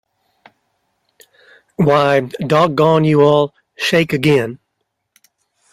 Why, doggone you all, shake again.